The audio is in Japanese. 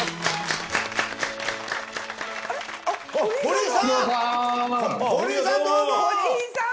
堀井さん